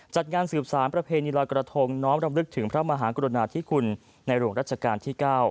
จัดงานสืบสารประเพณีลอยกระทงน้อมรำลึกถึงพระมหากรุณาธิคุณในหลวงรัชกาลที่๙